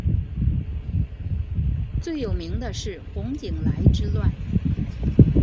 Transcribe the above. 最有名是洪景来之乱。